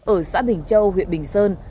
ở xã bình châu huyện bình sơn